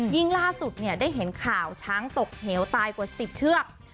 ล่าสุดได้เห็นข่าวช้างตกเหวตายกว่า๑๐เชือก